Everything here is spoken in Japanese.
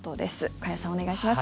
加谷さん、お願いします。